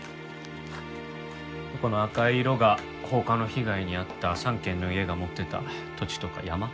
この赤い色が放火の被害に遭った３軒の家が持っていた土地とか山。